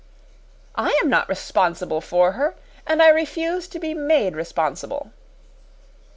"I am not responsible for her, and I refuse to be made responsible!"